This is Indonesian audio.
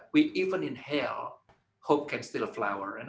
bahkan di neraka harapan masih bisa berkembang